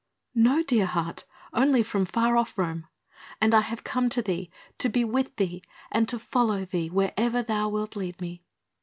"No, dear heart, only from far off Rome. And I have come to thee, to be with thee and to follow thee wherever thou wilt lead me."